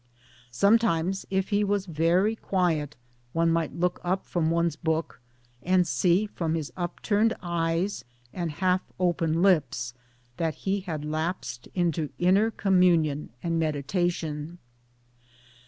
Sometimes if he was very quiet one mig ht look up from one's book and see from his upturned eyes and half open lips that he had lapsed into inner communion and meditation.